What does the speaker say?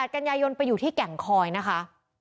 กันยายนไปอยู่ที่แก่งคอยนะคะ